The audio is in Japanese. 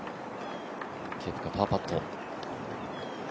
ケプカ、パーパット。